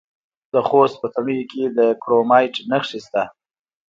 د خوست په تڼیو کې د کرومایټ نښې شته.